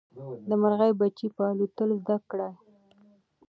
د مرغۍ بچي به الوتل زده کړي.